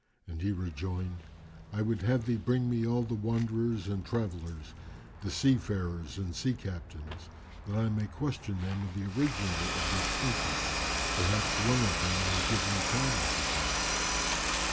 and he rejoined, "I would have thee bring me all the wanderers and travellers, the seafarers and sea captains, that I may question them of the original of this portrait; perhaps one of them may give me tidings of her."